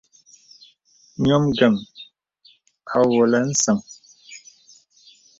Ǹyɔ̄m ngəm à wɔ̄lə̀ nsəŋ.